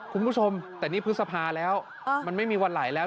คุณผู้ชมแต่นี่พฤษภาแล้วมันไม่มีวันไหลแล้ว